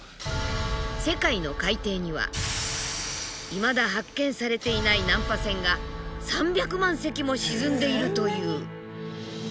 世界の海底にはいまだ発見されていない難破船が３００万隻も沈んでいるという。